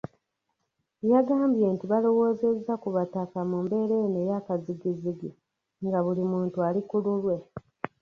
Yagambye nti balowoozezza ku Bataka mu mbeera eno eyakazigizigi nga buli muntu ali kululwe.